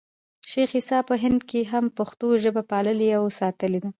شېخ عیسي په هند کښي هم پښتو ژبه پاللـې او ساتلې ده.